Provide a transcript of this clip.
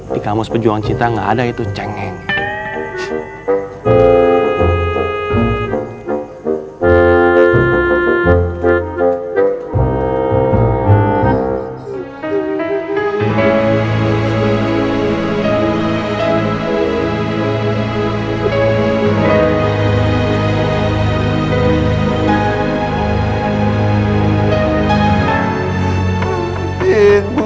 di kamus pejuang cinta gak ada itu cengeng